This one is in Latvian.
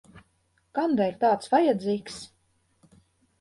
Kamdēļ tāds vajadzīgs?